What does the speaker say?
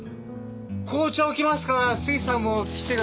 紅茶置きますから杉さんも来てください。